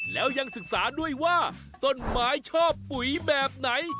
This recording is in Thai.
แล้วยังศึกษาด้วยว่าต้นไม้ชอบปุ๋ยแบบไหน